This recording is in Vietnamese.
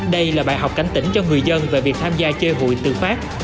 đây là bài học cảnh tỉnh cho người dân về việc tham gia chơi hụi tự phát